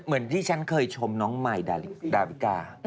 เหมือนที่ฉันเคยชมน้องมายดาวิกา